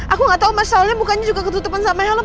aku gak tau mas soalnya mukanya juga ketutupan sama halem